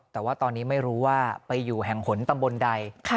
แต่ว่าตอนนี้ไม่รู้ว่าไปอยู่แห่งหนตำบลใด